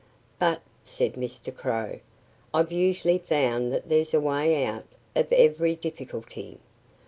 "But," said Mr. Crow, "I've usually found that there's a way out of every difficulty.